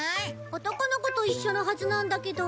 男の子と一緒のはずなんだけど。